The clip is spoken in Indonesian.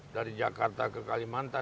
dari jakarta ke kalimantan